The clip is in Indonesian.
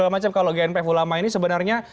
macam kalau gnpf ulama ini sebenarnya